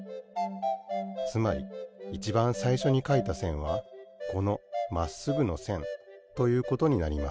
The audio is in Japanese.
つまりいちばんさいしょにかいたせんはこのまっすぐのせんということになります。